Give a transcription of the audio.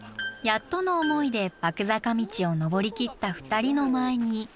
やっとの思いで麦坂道を登りきった２人の前に。